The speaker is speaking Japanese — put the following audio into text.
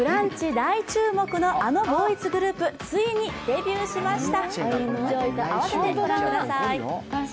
大注目のあのボーイズグループ、ついにデビューしました。